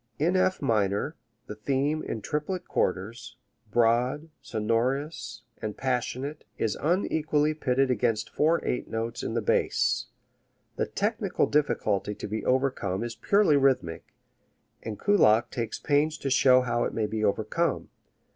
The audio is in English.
In F minor the theme in triplet quarters, broad, sonorous and passionate, is unequally pitted against four eight notes in the bass. The technical difficulty to be overcome is purely rhythmic, and Kullak takes pains to show how it may be overcome.